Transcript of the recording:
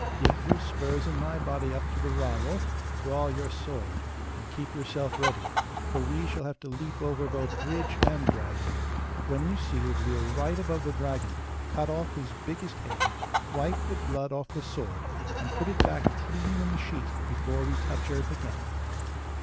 Dig your spurs in my body up to the rowel, draw your sword, and keep yourself ready, for we shall have to leap over both bridge and dragon. When you see that we are right above the dragon cut off his biggest head, wipe the blood off the sword, and put it back clean in the sheath before we touch earth again.